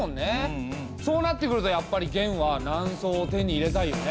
そうなってくるとやっぱり元は南宋を手に入れたいよね。